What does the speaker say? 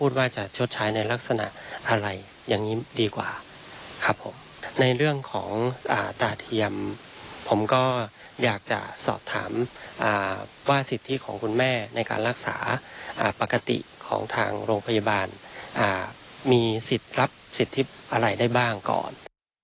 เดี๋ยวของตาเทียมผมก็อยากจะสอบถามว่าสิทธิของคุณแม่ในการรักษาปกติของทางโรงพยาบาลมีสิทธิอะไรได้บ้างก่อน